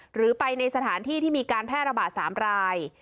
หรือไปในสถานที่ที่มีการแพร่ระบาด๓ราย